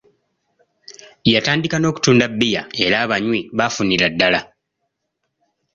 Yatandika n'okutunda bbiya era abanywi yafunira ddala.